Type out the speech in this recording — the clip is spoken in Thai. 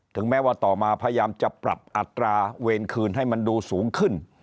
แม้ว่าต่อมาพยายามจะปรับอัตราเวรคืนให้มันดูสูงขึ้น